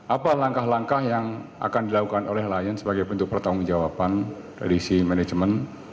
apa langkah langkah yang akan dilakukan oleh lion sebagai bentuk pertanggung jawaban dari si manajemen